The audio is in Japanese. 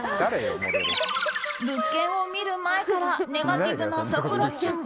物件を見る前からネガティブな咲楽ちゃん。